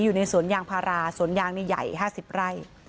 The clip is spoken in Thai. อยู่ในสวนยางภาราสวนยางนี้ใหญ่ห้าสี่ไร่